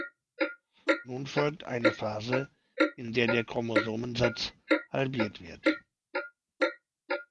Nun folgt eine Phase, in der der Chromosomensatz halbiert wird.